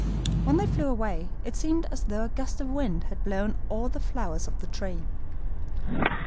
When they flew away it seemed as though a gust of wind had blown all the flowers off the tree.